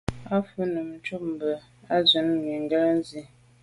Á wʉ́ Nùmí nɔ́ɔ̀ cúp mbʉ̀ á swɛ́ɛ̀n Nùŋgɛ̀ dí.